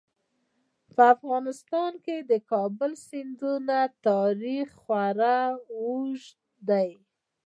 په افغانستان کې د کابل سیند تاریخ خورا اوږد دی.